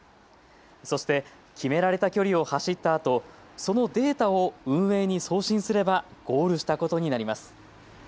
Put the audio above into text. そして決められた距離を走ったあとそのデータを運営に送信すればゴールしたことになります。